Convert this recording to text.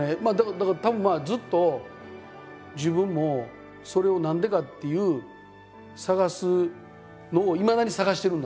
だからたぶんずっと自分もそれを何でかっていう探すのをいまだに探してるんだと思うんですよ。